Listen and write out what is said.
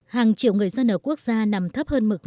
hàng triệu người dân ở quốc gia nằm thấp hơn mực nước